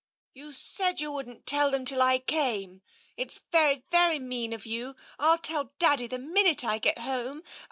" You said you wouldn't tell them till I came. ... It's very, very mean of you. ... I'll tell Daddy the minute I get home.